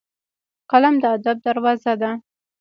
قلم د ادب دروازه ده